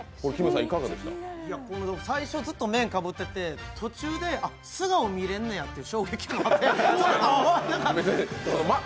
最初ずっと面かぶってて途中で素顔見れむんのやって衝撃もあって。